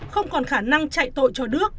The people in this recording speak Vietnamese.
không còn khả năng chạy tội cho nước